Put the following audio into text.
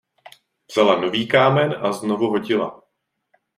Vzala nový kámen a znovu hodila.